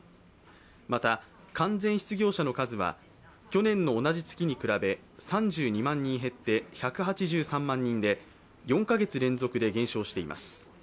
また、完全失業者の数は去年の同じ月に比べ３２万人減って１８３万人で４カ月連続で減少しています。